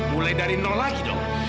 mulai dari nol lagi dong